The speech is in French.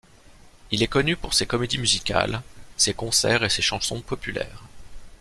Il est connu pour ses comédies musicales, ses concerts et ses chansons populaires.